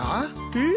えっ？